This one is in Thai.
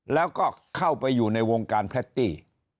แล้วก็เข้าไปอยู่ในวงการแพรตตี้